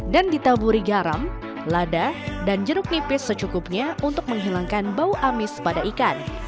dan ditaburi garam lada dan jeruk nipis secukupnya untuk menghilangkan bau amis pada ikan